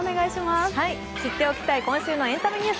知っておきたい今週のエンタメニュース